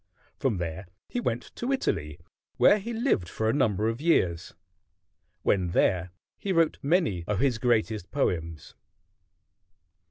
From there he went to Italy, where he lived for a number of years. When there he wrote many of his greatest poems.